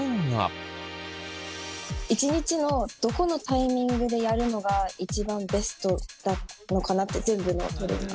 １日のどこのタイミングでやるのが一番ベストなのかなって全部のトレーニング。